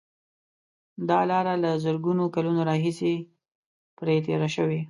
دا لاره له زرګونو کلونو راهیسې پرې تېر شوي.